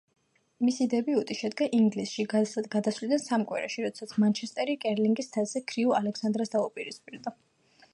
მისი დებიუტი შედგა ინგლისში გადასვლიდან სამ კვირაში, როდესაც „მანჩესტერი“ კერლინგის თასზე „ქრიუ ალექსანდრას“ დაუპირისპირდა.